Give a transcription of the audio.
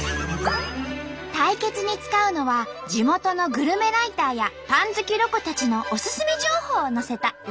対決に使うのは地元のグルメライターやパン好きロコたちのオススメ情報を載せたロコＭＡＰ。